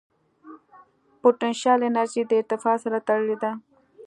پټنشل انرژي د ارتفاع سره تړلې ده.